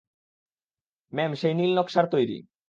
Ma'am, সেই নীল নকশা তৈরি।